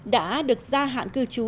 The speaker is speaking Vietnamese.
đã được gia hạn cư trú